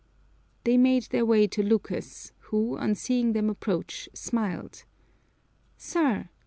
They made their way to Lucas, who, on seeing them approach, smiled. "Sir!"